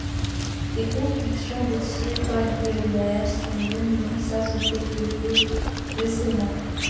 Des constructions de type pavillonnaire sont venues s'ajouter plus récemment.